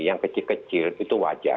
yang kecil kecil itu wajar